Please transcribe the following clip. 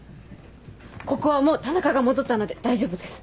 ここはもう田中が戻ったので大丈夫です。